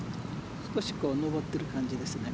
少し上っている感じですね。